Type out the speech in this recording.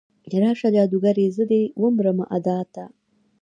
راشه جادوګرې، زه دې ومرمه ادا ته